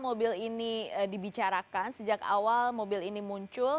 mobil ini dibicarakan sejak awal mobil ini muncul